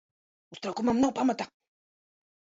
Uztraukumam nav pamata.